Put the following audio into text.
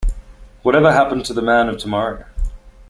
Whatever Happened to the Man of Tomorrow?